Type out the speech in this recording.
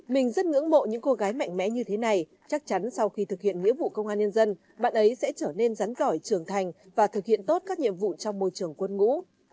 mình rất ngưỡng mộ những cô gái mạnh mẽ như thế này chắc chắn sau khi thực hiện nghĩa vụ công an nhân dân bạn ấy sẽ trở nên rắn giỏi trưởng thành và thực hiện tốt các nhiệm vụ trong môi trường quân ngũ